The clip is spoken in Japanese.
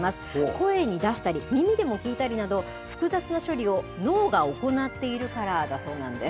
声に出したり、耳でも聞いたりなど、複雑な処理を脳が行っているからだそうなんです。